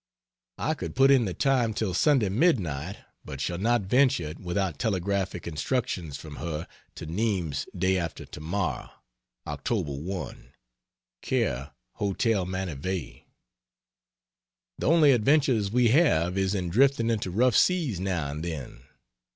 I could put in the time till Sunday midnight, but shall not venture it without telegraphic instructions from her to Nimes day after tomorrow, Oct. 1, care Hotel Manivet. The only adventures we have is in drifting into rough seas now and then.